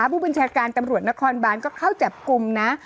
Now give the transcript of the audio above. ผู้บัญชาการตำรวจนครบานก็เข้าจับกลุ่มนะ